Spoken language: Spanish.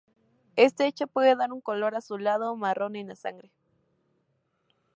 Este hecho puede dar un color azulado o marrón en la sangre.